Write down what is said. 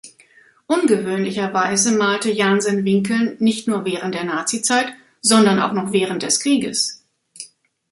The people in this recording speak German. Ungewöhnlicherweise malte Jansen-Winkeln nicht nur während der Nazi-Zeit, sondern auch noch während des Krieges.